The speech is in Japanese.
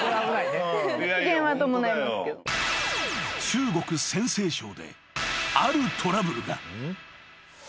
［中国陝西省であるトラブルが］